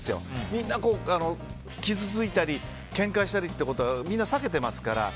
みんな傷ついたりけんかしたりというのはみんな避けてますから。